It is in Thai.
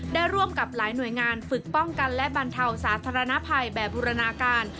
ร่วมกับหลายหน่วยงานฝึกป้องกันและบรรเทาสาธารณภัยแบบบูรณาการ